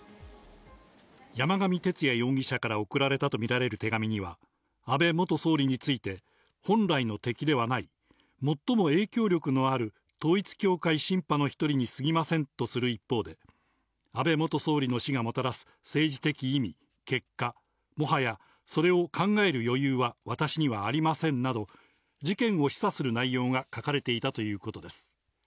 山上徹也容疑者から送られたと見られる手紙には、安倍元総理について本来の敵ではない、最も影響力のある統一教会シンパの一人にすぎませんとする一方で、安倍元総理の死がもたらす政治的意味、結果、もはやそれを考える余裕は私にはありませんなど、事件を示唆する内容が書かれていたということです。